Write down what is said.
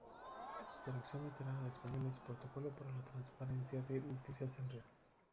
Su traducción literal al español es "protocolo para la transferencia de noticias en red".